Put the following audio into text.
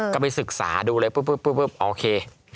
ก็ไปศึกษาดูเลยปุ๊บโอเค